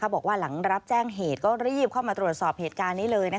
บอกว่าหลังรับแจ้งเหตุก็รีบเข้ามาตรวจสอบเหตุการณ์นี้เลย